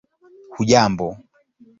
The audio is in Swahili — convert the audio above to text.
hujambo